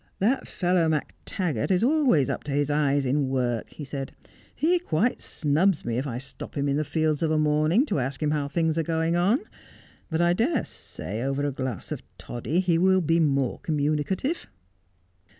' That fellow MacTaggart is always up to his eyes in work,' he said. ' He quite snubs me if I stop him in the fields of a morning to ask him how things are going on ; but I dare say over a glass of toddy he will be more communicative.'